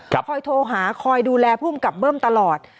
คอยโทรหาคอยดูแลภูมิกับเบิ้มตลอด